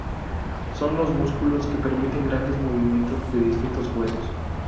Son los músculos que permiten grandes movimientos de distintos huesos.